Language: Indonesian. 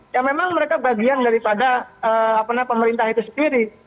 ya memang mereka bagian daripada pemerintah itu sendiri